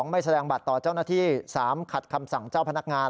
ไม่แสดงบัตรต่อเจ้าหน้าที่๓ขัดคำสั่งเจ้าพนักงาน